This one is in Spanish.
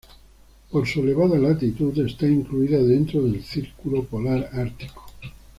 Por su elevada latitud, está incluida dentro del círculo polar ártico.